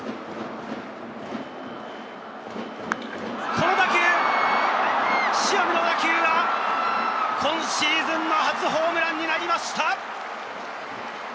この打球、塩見の打球は、今シーズンの初ホームランになりました！